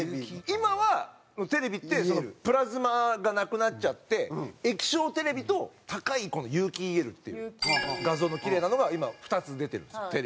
今はテレビってプラズマがなくなっちゃって液晶テレビと高いこの有機ＥＬっていう画像のキレイなのが今２つ出てるんですよテレビで。